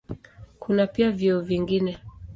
Kuna pia vyeo vingine.